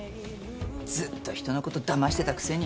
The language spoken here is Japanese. ずっと人のことだましてたくせに。